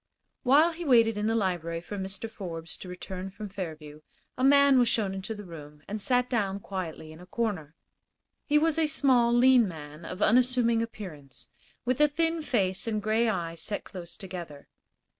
While he waited in the library for Mr. Forbes to return from Fairview a man was shown into the room and sat down quietly in a corner. He was a small, lean man, of unassuming appearance, with a thin face and gray eyes set close together.